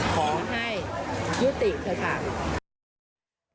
ขอให้ยุติเถอะค่ะ